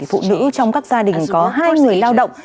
phụ nữ trong các gia đình có hai người lao động